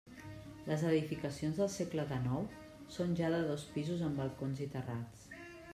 Les edificacions del segle dènou són ja de dos pisos amb balcons i terrats.